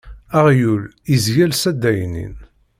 Aɣyul izgel s addaynin.